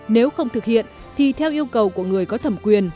nếu không thực hiện thì theo yêu cầu của người có thẩm quyền